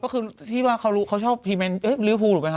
คือที่มาเขารู้เขาชอบสินพลังเฮ่ยฟูรบ์ไหมคะ